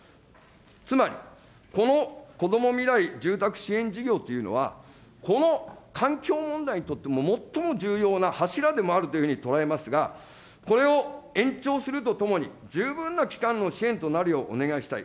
つまり、このこどもみらい住宅支援事業というのは、この環境問題にとっても最も重要な柱でもあるというふうに捉えますが、これを延長するとともに、十分な期間の支援となるよう、お願いしたい。